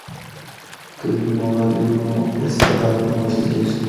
که علمي مواد وي نو استعداد نه وژل کیږي.